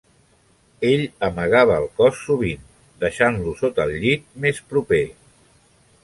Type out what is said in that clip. Ell amagava el cos sovint, deixant-lo sota el llit més proper.